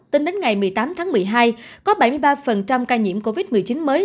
tính đến ngày một mươi tám tháng một mươi hai có bảy mươi ba ca nhiễm covid một mươi chín mới